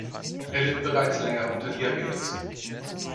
Er litt bereits länger unter Diabetes.